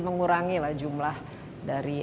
mengurangi jumlah dari